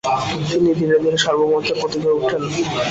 তিনি ধীরে ধীরে সার্বভৌমত্বের প্রতীক হয়ে ওঠেন।